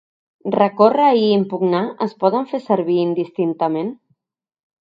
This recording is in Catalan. Recórrer’ i ‘impugnar’ es poden fer servir indistintament?